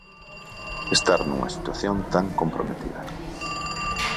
Estar nunha situación tan comprometida.